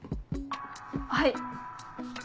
はい。